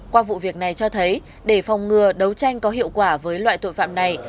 qua vụ việc này cho thấy để phòng ngừa đấu tranh có hiệu quả với loại tội phạm này